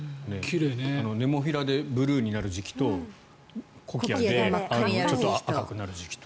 ネモフィラでブルーになる時期とコキアでちょっと赤くなる時期と。